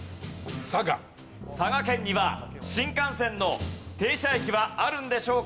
佐賀県には新幹線の停車駅はあるんでしょうか？